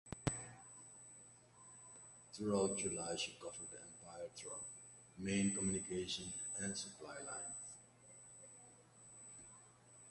Throughout July she covered the Empire-Truk main communication and supply line.